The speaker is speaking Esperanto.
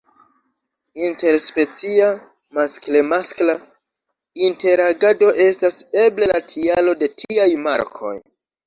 Inter-specia maskle-maskla interagado estas eble la tialo de tiaj markoj.